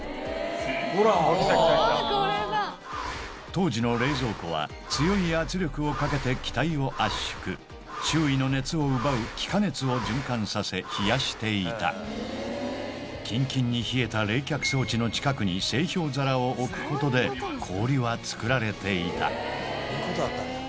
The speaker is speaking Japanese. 当時の冷蔵庫は強い圧力をかけて気体を圧縮周囲の熱を奪う気化熱を循環させ冷やしていたキンキンに冷えた冷却装置の近くに製氷皿を置くことで氷は作られていたそういうことだったんだ。